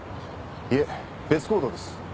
いえ別行動です。